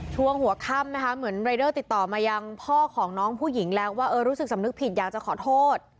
ช่วงหัวค่ำนะคะเหมือนรายเดอร์ติดต่อมายังพ่อของน้องผู้หญิงแล้วว่าเออรู้สึกสำนึกผิดอยากจะขอโทษ